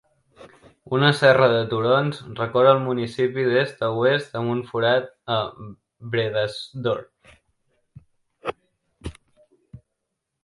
Una serra de turons recorre el municipi d'est a oest amb un forat a Bredasdorp.